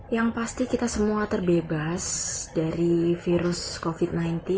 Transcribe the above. yang pasti kita semua terbebas dari virus covid sembilan belas